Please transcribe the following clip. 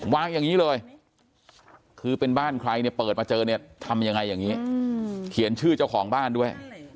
วางอย่างนี้เลยคือเป็นบ้านใครเนี่ยเปิดมาเจอเนี่ยทำยังไงอย่างนี้เขียนชื่อเจ้าของบ้านด้วย